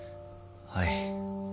はい。